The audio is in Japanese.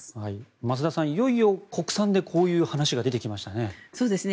増田さん、いよいよ国産でこういう話が出てきましたね。